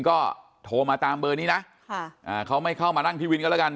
ก็โทรมาตามเบอร์นี้นะค่ะอ่าเขาไม่เข้ามานั่งที่วินก็แล้วกัน